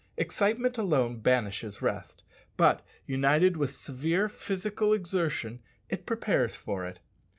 Excitement alone banishes rest; but, united with severe physical exertion, it prepares for it.